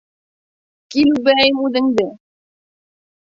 Кил үбәйем үҙеңде!